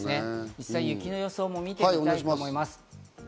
実際に雪の予想も見ていきたいと思います。